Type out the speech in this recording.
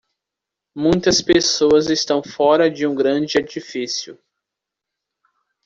Muitas pessoas estão fora de um grande edifício.